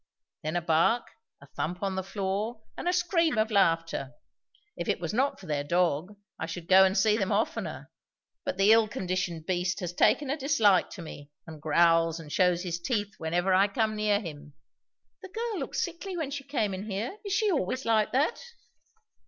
then a bark, a thump on the floor, and a scream of laughter. If it was not for their dog, I should go and see them oftener. But the ill conditioned beast has taken a dislike to me, and growls and shows his teeth whenever I come near him." "The girl looked sickly when she came in here. Is she always like that?"